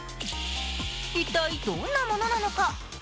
一体どんなものなのか？